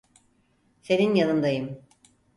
Senin yanındayım.